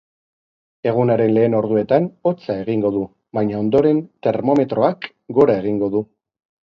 Egunaren lehen orduetan hotza egingo du baina ondoren, termometroak gora egingo du.